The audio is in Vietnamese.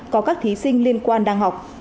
có các thí sinh liên quan đăng học